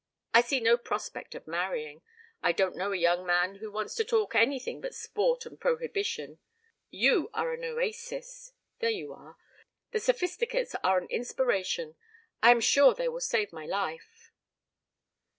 I see no prospect of marrying I don't know a young man who wants to talk anything but sport and prohibition you are an oasis. There you are! The Sophisticates are an inspiration. I am sure they will save my life."